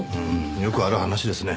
よくある話ですね。